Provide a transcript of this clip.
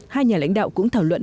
hai nhà lãnh đạo cũng thảo luận